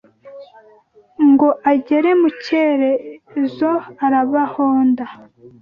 Ngo agere mu Cyerezo arabahonda